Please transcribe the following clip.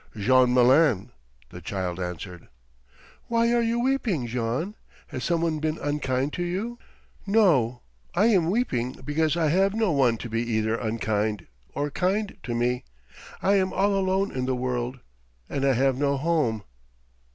"Jean Malin," the child answered. "Why are you weeping, Jean? Has some one been unkind to you?" "No; I am weeping because I have no one to be either unkind or kind to me. I am all alone in the world, and I have no home."